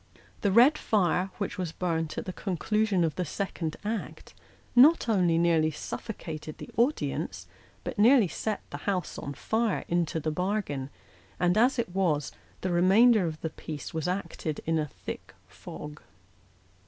The red fire, which was burnt at the conclusion of the second act, not only nearly suffocated the audience, but nearly set the house on fire into the bargain ; and, as it was, the remainder of the piece was acted in a thick fog.